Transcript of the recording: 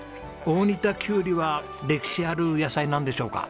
大荷田きゅうりは歴史ある野菜なんでしょうか？